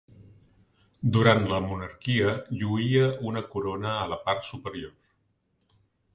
Durant la monarquia lluïa una corona a la part superior.